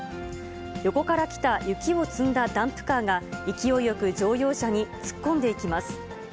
横から来た雪を積んだダンプカーが、勢いよく乗用車に突っ込んでいきます。